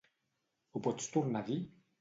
Ho pots tornar a dir?